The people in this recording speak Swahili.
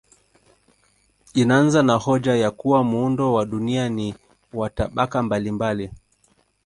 Inaanza na hoja ya kuwa muundo wa dunia ni wa tabaka mbalimbali.